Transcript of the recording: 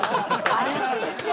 安心する。